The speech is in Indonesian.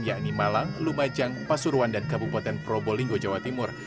yakni malang lumajang pasuruan dan kabupaten probolinggo jawa timur